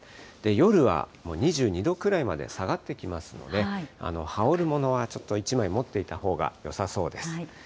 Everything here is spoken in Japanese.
夜はもう２２度くらいまで下がってきますので、羽織るものはちょっと一枚持っておいたほうがよさそうです。